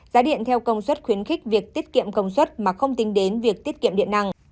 giá điện theo công suất khuyến khích việc tiết kiệm công suất mà không tính đến việc tiết kiệm điện năng